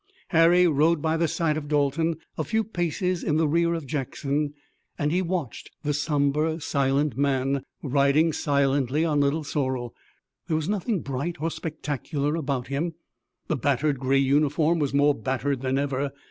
Harry rode by the side of Dalton a few paces in the rear of Jackson, and he watched the somber, silent man, riding silently on Little Sorrel. There was nothing bright or spectacular about him. The battered gray uniform was more battered than ever.